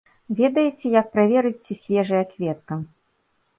Ведаеце, як праверыць, ці свежая кветка?